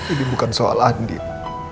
ini bukan soal anin